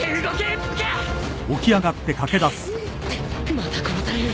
また殺される！